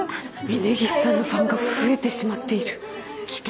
峰岸さんのファンが増えてしまっている。